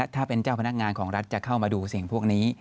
ถ้าเป็นเจ้าพนักงานของรัฐจะเข้ามาดูสิ่งพวกนี้